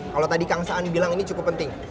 kalau tadi kang saan bilang ini cukup penting